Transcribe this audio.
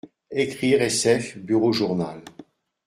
Ecrire SF bureau journal.